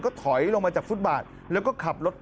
ก็ถอยลงมาจากฟุตบาทแล้วก็ขับรถ